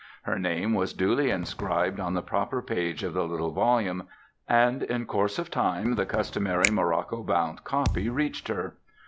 Her name was duly inscribed on the proper page of the little volume, and in course of time the customary morocco bound copy reached her.